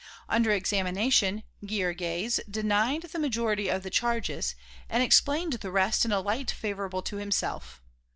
Under examination, Guillergues denied the majority of the charges and explained the rest in a light favourable to himself.